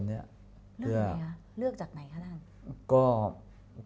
เลือกไหนคะ